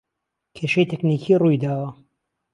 کێشەی تەکنیکی روویداوە